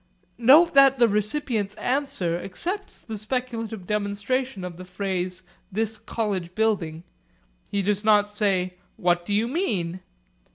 Note that the recipient's answer accepts the speculative demonstration of the phrase 'This college building.' He does not say, 'What do you mean?'